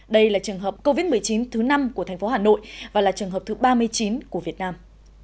đây là trường hợp covid một mươi chín thứ năm của thành phố hà nội và là trường hợp thứ ba mươi chín của việt nam